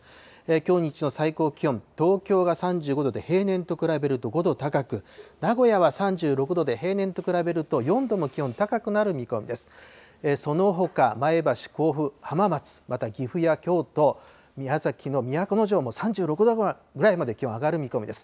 きょう日中の最高気温、東京が３５度で平年と比べると５度高く、名古屋は３６度で平年と比べると４度も気温高くなる見込みです。